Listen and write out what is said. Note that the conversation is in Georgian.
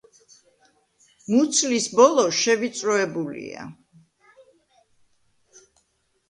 მუცლის ბოლო შევიწროებულია.